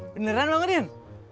beneran bang edwin